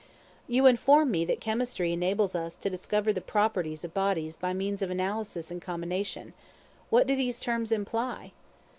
You inform me that Chemistry enables us to discover the properties of bodies by means of analysis and combination: what do these terms imply?